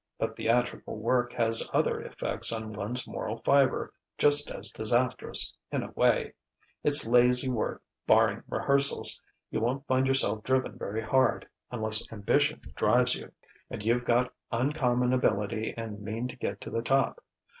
But theatrical work has other effects on one's moral fibre, just as disastrous, in a way. It's lazy work; barring rehearsals, you won't find yourself driven very hard unless ambition drives you, and you've got uncommon ability and mean to get to the top.